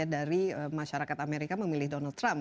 dari masyarakat amerika memilih donald trump